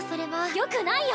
よくないよ！